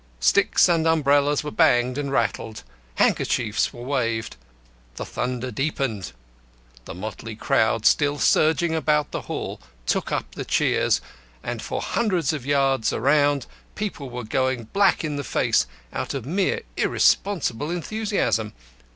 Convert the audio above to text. Sticks and umbrellas were banged and rattled, handkerchiefs were waved, the thunder deepened. The motley crowd still surging about the hall took up the cheers, and for hundreds of yards around people were going black in the face out of mere irresponsible enthusiasm.